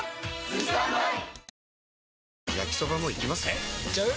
えいっちゃう？